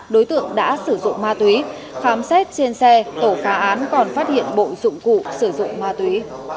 đối tượng đã sử dụng ma túy khám xét trên xe tổ khá án còn phát hiện bộ dụng cụ sử dụng ma túy